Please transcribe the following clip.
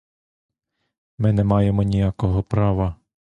Ми не маємо ніякого права.